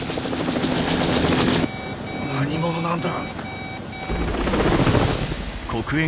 何者なんだ！